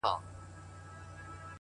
نې خپله خوري، نې بل ته ورکوي.